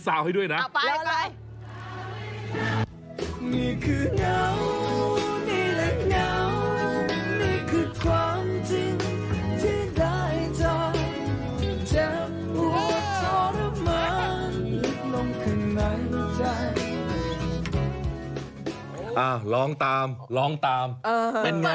อ่าร้องตามร้องตามเป็นไง